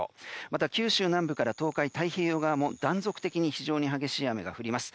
また、九州南部から東海太平洋側も断続的に非常に激しい雨が降ります。